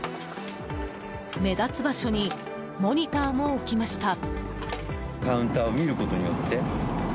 目立つ場所にモニターも置きました。